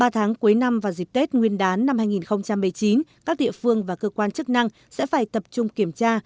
ba tháng cuối năm và dịp tết nguyên đán năm hai nghìn một mươi chín các địa phương và cơ quan chức năng sẽ phải tập trung kiểm tra